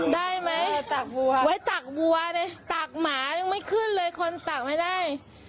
ได้ไหมตากวัวไว้ตักบัวเลยตักหมายังไม่ขึ้นเลยคนตักไม่ได้